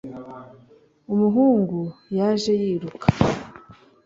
umuhungu yaje yiruka